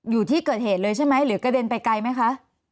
อยู่ที่เกิดเหตุเลยใช่ไหมหรือกระเด็นไปไกลไหมคะ